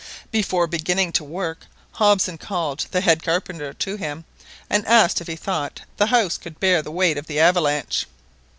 Before beginning to work Hobson called the head carpenter to him, and asked if he thought the house could bear the weight of the avalanche.